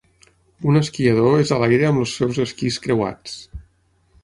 Un esquiador és a l'aire amb els seus esquís creuats.